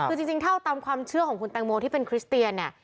คือจริงเท่าตามความเชื่อของคุณแตงโมที่เป็นคริสเตียนเนี่ย